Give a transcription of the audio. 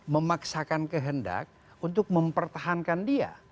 memaksakan kehendak untuk mempertahankan dia